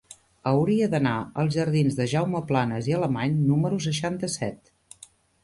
Hauria d'anar als jardins de Jaume Planas i Alemany número seixanta-set.